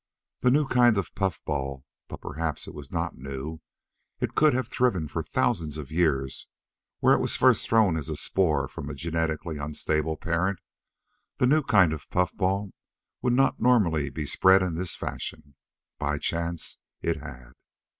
The new kind of puffball but perhaps it was not new: it could have thriven for thousands of years where it was first thrown as a sport from a genetically unstable parent the new kind of puffball would not normally be spread in this fashion. By chance it had.